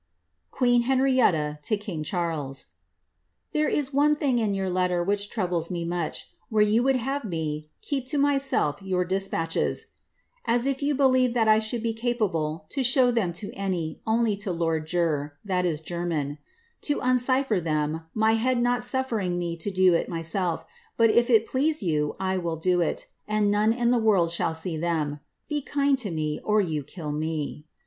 QncKN Henrietta to Kino Charles. * There is one thing in your letter which troubles me much, where you would have me * keep to myself your despatches,' as if you believe that I should be cipable to show tiiem to any, only to lord Jer (Jermyn), to uncypher them, my htmA not suffering me to do it myself; but if it please you, I will do it, and none in the world shall see them. Be kind to me, or you kill me